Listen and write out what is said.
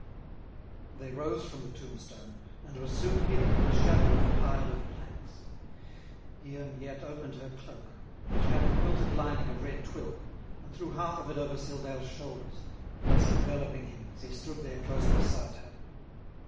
They rose from the tombstone, and were soon hidden in the shadow of a pile of planks. Here Miette opened her cloak, which had a quilted lining of red twill, and threw half of it over Silvère's shoulders, thus enveloping him as he stood there close beside her.